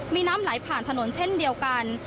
มีน้ำไหลผ่านถนนเช่นเดียวกัน